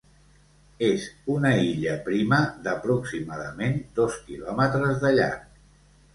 És una illa prima, d'aproximadament dos quilòmetres de llarg.